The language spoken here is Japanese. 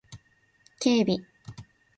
警備